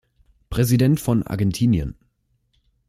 Präsident von Argentinien.